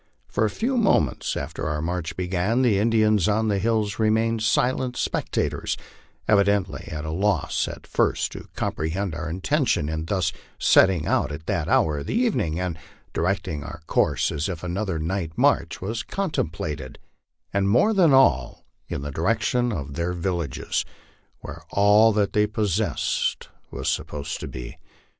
For a few moments after our inarch began the Indians on the hills remained silent spectators, evidently at a loss at first to comprehend our intentions in thus setting out at that hour of the evening, and directing our course as if another night march was contemplated ; and more than all, in the direction of their villages, where all that they possessed was supposed to be.